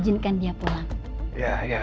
ia otak otak saya